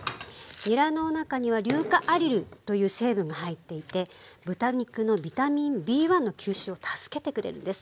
にらの中には硫化アリルという成分が入っていて豚肉のビタミンＢ１の吸収を助けてくれるんです。